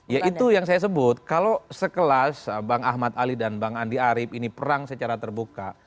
ya itu yang saya sebut kalau sekelas bang ahmad ali dan bang andi arief ini perang secara terbuka